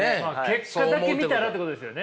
結果だけ見たらってことですよね。